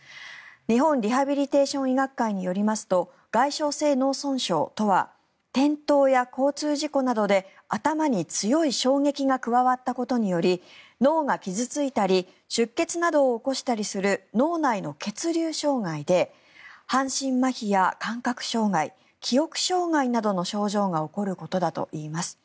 日本リハビリテーション医学会によりますと外傷性脳損傷とは転倒や交通事故などで頭に強い衝撃が加わったことにより脳が傷付いたり出血などを起こしたりする脳内の血流障害で半身まひや感覚障害記憶障害などの症状が起こることだといいます。